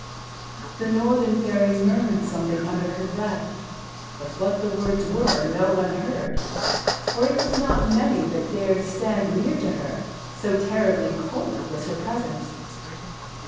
The Northern fairy murmured something under her breath, but what the words were no one heard, for it was not many that dared stand near to her, so terribly cold was her presence.